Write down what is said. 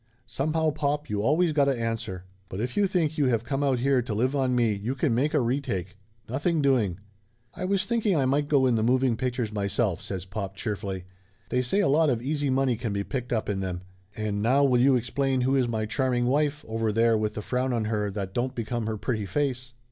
"Somehow, pop, you always got a answer. But if you think you have come out here to live on me you can make a retake. Nothing doing." "I was thinking I might go in the moving pictures myself," says pop cheerfully. "They say a lot of easy money can be picked up in them. And now will you explain who is my charming wife, over there with the frown on her that don't become her pretty face?"